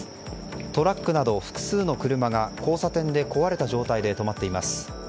トラックなど複数の車が交差点で壊れた状態で止まっています。